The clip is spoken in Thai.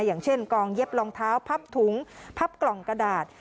อย่างเช่นกองเย็บรองเท้าพับถุงพับกล่องกระดาษ